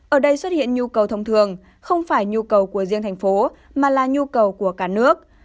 ở đây xuất hiện nhu cầu thông thường không phải nhu cầu của riêng thành phố mà là nhu cầu của cả nước